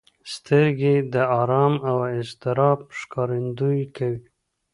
سترګې د ارام او اضطراب ښکارندويي کوي